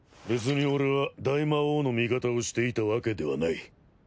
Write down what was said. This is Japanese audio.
別に俺は大魔王の味方をしていたわけではない。